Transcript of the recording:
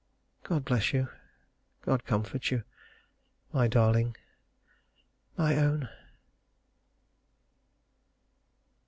God bless you God comfort you my darling my own.